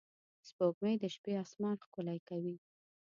سپوږمۍ د شپې آسمان ښکلی کوي